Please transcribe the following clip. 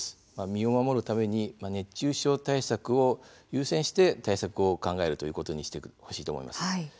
身を守るために熱中症対策を優先して対策を考えるということにしてほしいと思います。